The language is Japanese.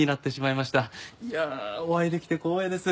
いやあお会いできて光栄です。